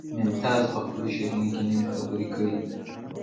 ممتاز په خپلو شعرونو کې نوې خبرې کړي دي